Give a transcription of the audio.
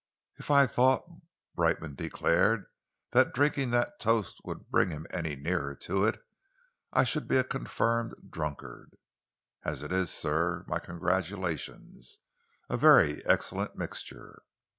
"If I thought," Brightman declared, "that drinking that toast would bring him any nearer to it, I should become a confirmed drunkard. As it is, sir my congratulations! A very excellent mixture!"